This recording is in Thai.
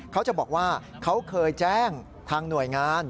เขาจะบอกว่าเขาเคยแจ้งทางหน่วยงาน